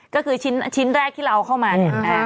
ก็คือชิ้นแรกที่เราเอาเข้ามาเนี่ย